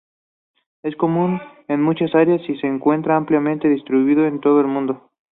Es común en muchas áreas y se encuentra ampliamente distribuido en todo el mundo.